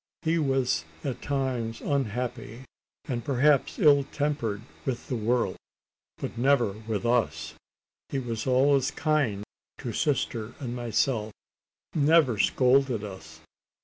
He was at times unhappy, and perhaps ill tempered with the world; but never with us. He was always kind to sister and myself never scolded us.